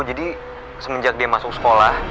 jadi semenjak dia masuk sekolah